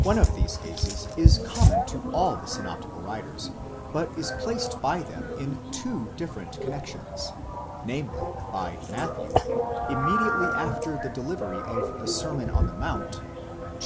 One of these cases is common to all the synoptical writers, but is placed by them in two different connexions : namely, by Matthew, immediately after the delivery of the Sermon on the Mount (vili.